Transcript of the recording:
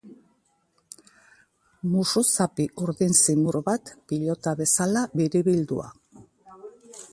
Musuzapi urdin zimur bat, pilota bezala biribildua.